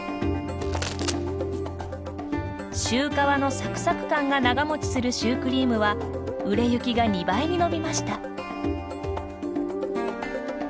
シュー皮のサクサク感が長持ちするシュークリームは売れ行きが２倍に伸びました。